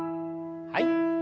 はい。